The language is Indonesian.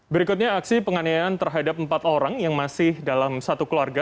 berikutnya aksi penganiayaan terhadap empat orang yang masih dalam satu keluarga